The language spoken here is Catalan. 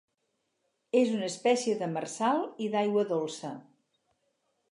És una espècie demersal i d'aigua dolça.